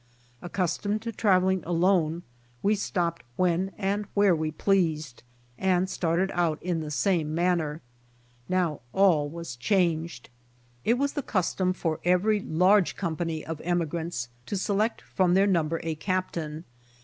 Accustomed to traveling alone, we stopped when and where we pleased, and started out in the same manner. Now all was changed. It was the custom for every large company of emigrants to select from 77 78 BY ox TEAM TO CALIFORNIA their number a captain.